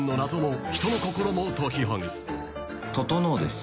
「整です。